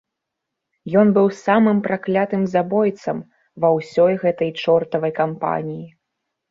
Ён быў самым праклятым забойцам ва ўсёй гэтай чортавай кампаніі!